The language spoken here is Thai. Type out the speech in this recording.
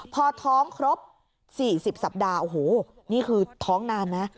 พอท้องครบ๔๐สัปดาห์โอ้โหนี่คือท้องนานนะ